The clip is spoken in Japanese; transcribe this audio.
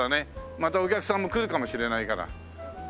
またお客さんも来るかもしれないから。